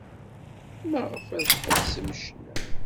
Maɣef ay tḥebsem ccna?